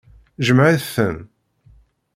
Jemɛet-ten.